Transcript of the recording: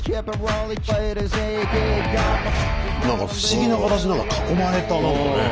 何か不思議な形何か囲まれた何かね。